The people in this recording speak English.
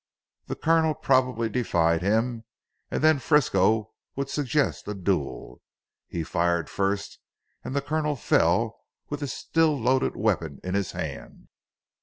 The Colonel probably defied him, and then Frisco would suggest a duel. He fired first and the Colonel fell with his still loaded weapon in his hand."